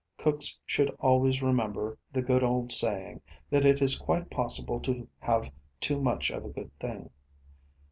Cooks should always remember the good old saying that it is quite possible to have too much of a good thing.